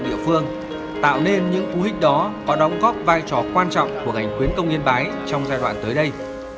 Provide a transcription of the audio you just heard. điều phương tạo nên những vũ hích đó có đóng góp vai trò quan trọng của ngành khuyến công nhiên bái trong giai đoạn tới đây